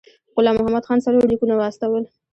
غلام محمد خان څلور لیکونه واستول.